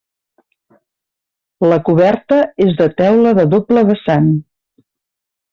La coberta és de teula de doble vessant.